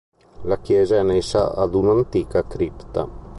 La Chiesa è annessa ad un'antica cripta.